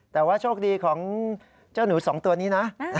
แต่ว่าโชคดีของเจ้าหนูสองตัวนี้นะ